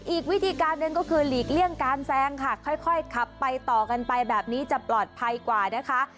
อีกวิธีการหนึ่งก็คือหลีกเลี่ยงการแซงค่ะค่อยขับไปต่อกันไปแบบนี้จะปลอดภัยกว่านะคะ